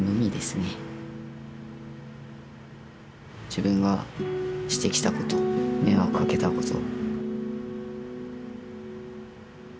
自分がしてきたこと迷惑かけたこと。